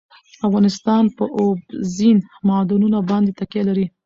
افغانستان په اوبزین معدنونه باندې تکیه لري.